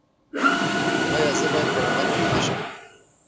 ایا زه باید په رڼا کې ویده شم؟